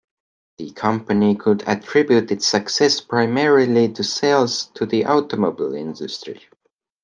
The company could attribute its success primarily to sales to the automobile industry.